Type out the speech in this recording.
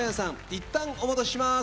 いったんお戻しします！